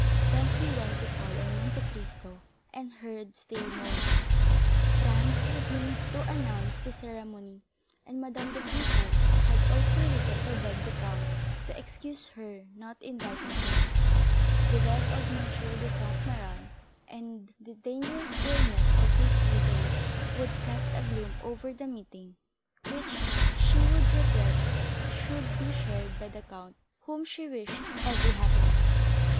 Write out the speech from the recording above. Then he went to call on Monte Cristo and heard still more. Franz had been to announce the ceremony, and Madame de Villefort had also written to beg the count to excuse her not inviting him; the death of M. de Saint Méran and the dangerous illness of his widow would cast a gloom over the meeting which she would regret should be shared by the count whom she wished every happiness.